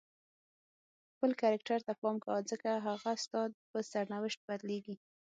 خپل کرکټر ته پام کوه ځکه هغه ستا په سرنوشت بدلیږي.